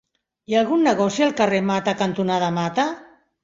Hi ha algun negoci al carrer Mata cantonada Mata?